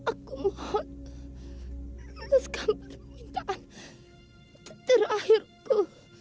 aku mohon sekarang permintaan terakhirku